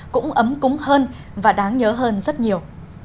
cũng ấm cúng hơn và đáng nhớ hơn rất nhiều